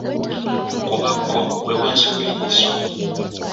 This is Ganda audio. Kkobakko we wansi w’eriiso.